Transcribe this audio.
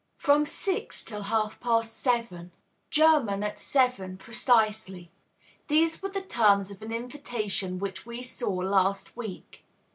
"From six till half past eleven." "German at seven, precisely." These were the terms of an invitation which we saw last week.